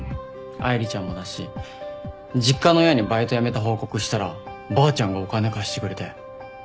愛梨ちゃんもだし実家の親にバイト辞めた報告したらばあちゃんがお金貸してくれて。